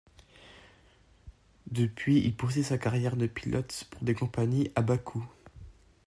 Depuis il poursuit sa carrière de pilote pour des compagnies à bas coûts.